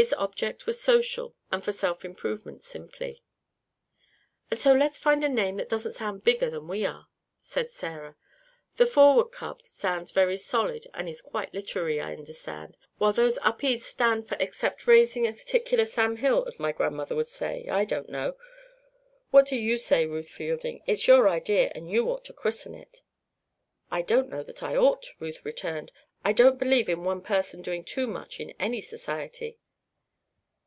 Its object was social and for self improvement simply. "And so let's find a name that doesn't sound bigger than we are," said Sarah. "The Forward Club sounds very solid and is quite literary, I understand. What those Upedes stand for except raising particular Sam Hill, as my grandmother would say, I don't know. What do you say, Ruth Fielding? It's your idea, and you ought to christen it." "I don't know that I ought," Ruth returned. "I don't believe in one person doing too much in any society."